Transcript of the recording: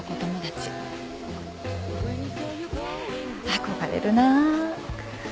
憧れるなぁ。